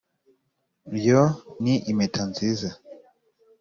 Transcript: iyo ni impeta nziza.